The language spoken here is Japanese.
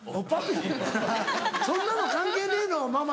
「そんなの関係ねえ！のママ」